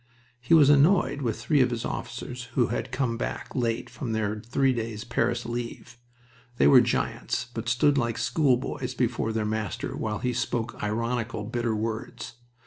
He was annoyed with three of his officers who had come back late from three days' Paris leave. They were giants, but stood like schoolboys before their master while he spoke ironical, bitter words.